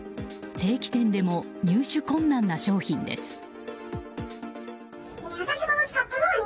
正規店でも入手困難な商品です。